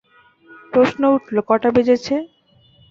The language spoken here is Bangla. –প্রশ্ন উঠল, কটা বেজেছে?